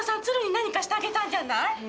鶴に何かしてあげたんじゃない？